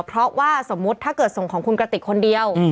เพราะว่าสมมุติถ้าเกิดส่งของคุณกระติกคนเดียว